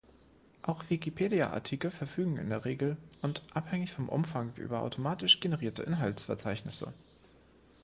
Auch Wikipedia-Artikel verfügen in der Regel und abhängig vom Umfang über automatisch generierte Inhaltsverzeichnisse.